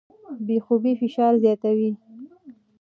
بې خوبۍ فشار زیاتوي.